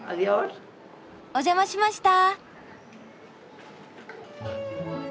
お邪魔しました。